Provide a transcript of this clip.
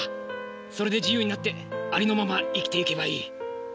それで自由になってありのまま生きていけばいい。